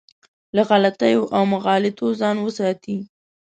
له غلطیو او مغالطو ځان وساتي.